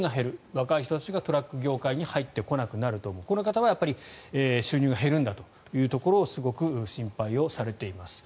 若い人たちがトラック業界に入ってこなくなると思うこの方は収入が減るんだというところをすごく心配されています。